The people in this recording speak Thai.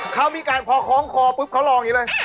เขามีการพอคล้องคอปุ๊บเขาลองอย่างนี้เลย